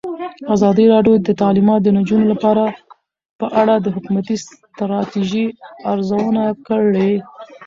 ازادي راډیو د تعلیمات د نجونو لپاره په اړه د حکومتي ستراتیژۍ ارزونه کړې.